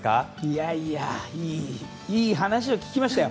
いやいやいい話を聞きましたよ。